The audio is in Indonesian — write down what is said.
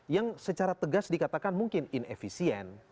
yang secara tegas dikatakan mungkin inefisien